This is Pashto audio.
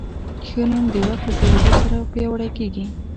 ښه نوم د وخت له تېرېدو سره پیاوړی کېږي.